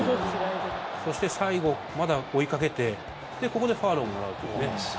そして最後、まだ追いかけてで、ここでファウルをもらうという。